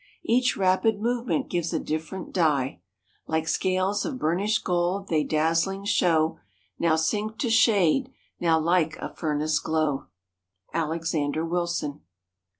Each rapid movement gives a different dye; Like scales of burnished gold they dazzling show— Now sink to shade, now like a furnace glow! —Alexander Wilson.